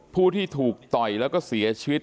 ผู้ที่ถูกต่อยแล้วก็เสียชีวิต